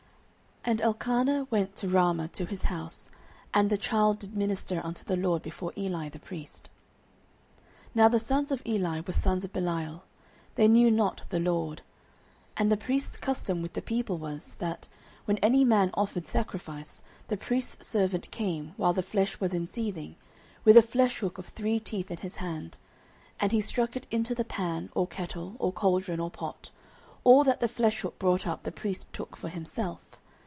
09:002:011 And Elkanah went to Ramah to his house. And the child did minister unto the LORD before Eli the priest. 09:002:012 Now the sons of Eli were sons of Belial; they knew not the LORD. 09:002:013 And the priest's custom with the people was, that, when any man offered sacrifice, the priest's servant came, while the flesh was in seething, with a fleshhook of three teeth in his hand; 09:002:014 And he struck it into the pan, or kettle, or caldron, or pot; all that the fleshhook brought up the priest took for himself.